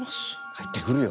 入ってくるよ。